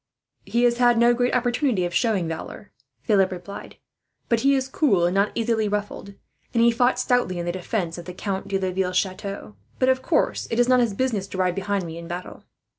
"He has had no great opportunity of showing valour," Philip replied; "but he is cool, and not easily ruffled, and he fought stoutly in the defence of the Count de Laville's chateau; but of course, it is not his business to ride behind me in battle."